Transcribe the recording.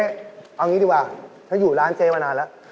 เอางี้ดีกว่าถ้าอยู่ร้านเจ๊มานานแล้ว